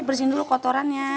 ini bersihin dulu kotorannya